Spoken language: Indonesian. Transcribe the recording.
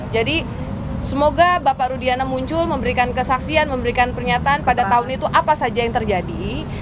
jadi semoga bapak rudiana muncul memberikan kesaksian memberikan pernyataan pada tahun itu apa saja yang terjadi